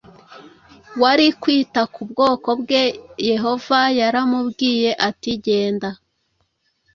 wari kwita ku bwoko bwe yehova yaramubwiye ati genda